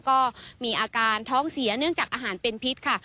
ก็มีอาการท้องเสียเนื่องจากอาหารเป็นพิษค่ะ